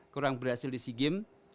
kurang berhasil di si game